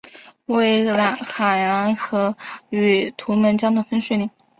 为海兰河与图们江的分水岭。